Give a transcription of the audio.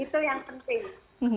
itu yang penting